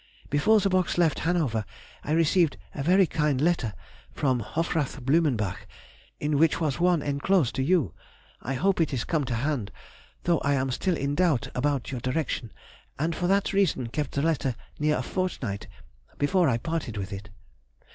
Before the box left Hanover, I received a very kind letter from Hofrath Blumenbach, in which was one enclosed to you; I hope it is come to hand, though I am still in doubt about your direction, and for that reason kept the letter near a fortnight before I parted with it.